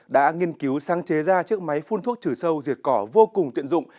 đã nghiên cứu sáng chế ra chiếc máy phun thuốc trừ sâu diệt cỏ vô cùng tiện dụng